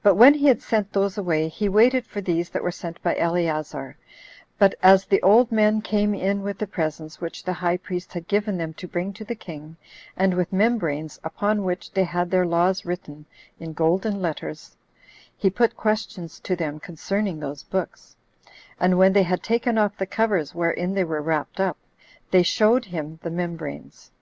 But when he had sent those away, he waited for these that were sent by Eleazar; but as the old men came in with the presents, which the high priest had given them to bring to the king, and with the membranes, upon which they had their laws written in golden letters 7 he put questions to them concerning those books; and when they had taken off the covers wherein they were wrapt up, they showed him the membranes.